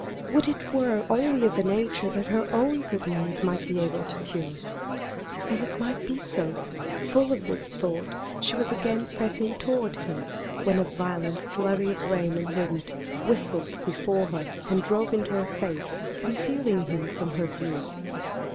Would it were only of a nature that her own good news might be able to cure. And it might be so. Full of this thought, she was again pressing toward him, when a violent flurry of rain and wind whistled before her and drove into her face, concealing him from her view.